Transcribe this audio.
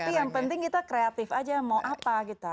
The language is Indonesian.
tapi yang penting kita kreatif aja mau apa gitu